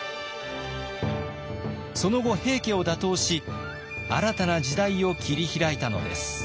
その後平家を打倒し新たな時代を切り開いたのです。